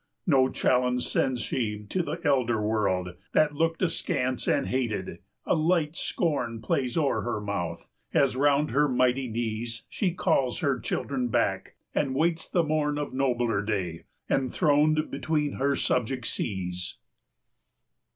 No challenge sends she to the elder world, 400 That looked askance and hated; a light scorn Plays o'er her mouth, as round her mighty knees She calls her children back, and waits the morn Of nobler day, enthroned between her subject seas."